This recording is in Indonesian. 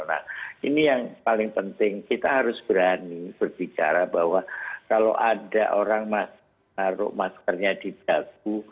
nah ini yang paling penting kita harus berani berbicara bahwa kalau ada orang naruh maskernya di dagu